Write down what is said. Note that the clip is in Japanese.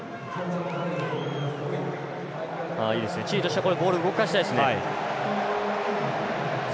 チリとしてはボール動かしたいですね。